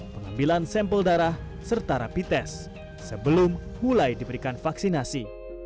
pengambilan sampel darah serta rapi tes sebelum mulai diberikan vaksinasi